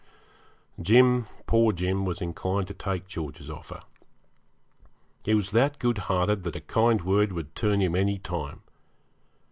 Jim, poor Jim, was inclined to take George's offer. He was that good hearted that a kind word would turn him any time.